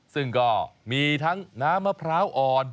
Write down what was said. ซึ่งก็มีทั้งน้ำมะพร้าวอ่อน